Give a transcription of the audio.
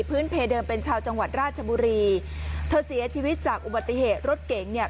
เพเดิมเป็นชาวจังหวัดราชบุรีเธอเสียชีวิตจากอุบัติเหตุรถเก๋งเนี่ย